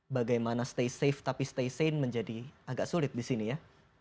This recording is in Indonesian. bagaimana stay safe tapi stay sane menjadi agak sulit disini ya